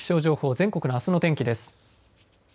全国のあすの天気です。